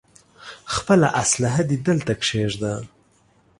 خپله اسلاحه دې دلته کېږده.